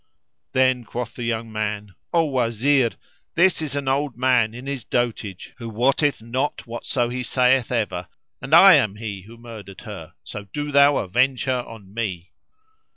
Then quoth the young man, "O Wazir, this is an old man in his dotage who wotteth not whatso he saith ever, and I am he who murdered her, so do thou avenge her on me!"